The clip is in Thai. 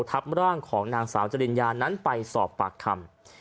ทับร่างของนางสาวจริญญานั้นไปสอบปากคำ